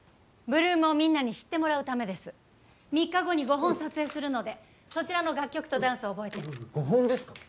８ＬＯＯＭをみんなに知ってもらうため３日後に５本撮影するのでそちらの楽曲とダンスを覚えて５本ですか？